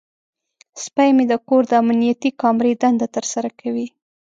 سپی مې د کور د امنیتي کامرې دنده ترسره کوي.